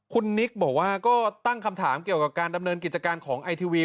คุณนิกบอกว่าก็ตั้งคำถามเกี่ยวกับการดำเนินกิจการของไอทีวี